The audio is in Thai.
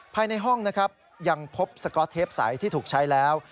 ภายในห้องนะครับยังพบสก๊อตเทปใสที่ถูกใช้แล้ว